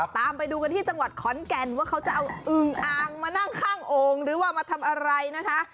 ตามไปดูกันที่จังหวัดขอนแก่นว่าเขาจะเอาอึงอ่างมานั่งข้างโอ่งหรือว่ามาทำอะไรนะคะ